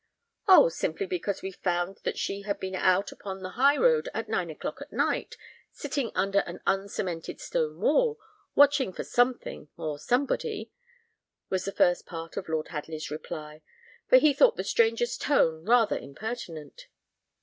"Oh! simply because we found that she had been out upon the high road at nine o'clock at night, sitting under an uncemented stone wall, watching for something or somebody," was the first part of Lord Hadley's reply, for he thought the stranger's tone rather impertinent.